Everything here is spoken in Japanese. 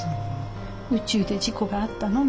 「宇宙で事故があったの？」